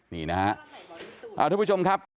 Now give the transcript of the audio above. นี่นะฮะทุกผู้ชมครับ